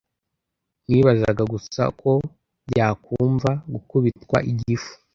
Nibazaga gusa uko byakumva gukubitwa igifu.